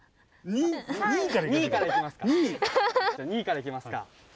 ２位からいきますか。